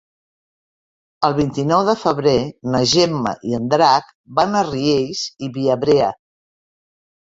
El vint-i-nou de febrer na Gemma i en Drac van a Riells i Viabrea.